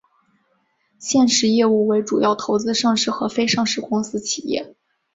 现时业务为主要投资上市和非上市公司企业。